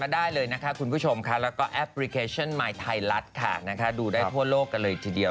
ดูได้ทั่วโลกกันแล้วอีกทีเดียว